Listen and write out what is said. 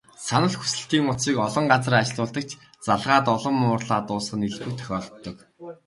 Санал хүсэлтийн утсыг олон газар ажиллуулдаг ч, залгаад улам уурлаад дуусах нь элбэг тохиолддог.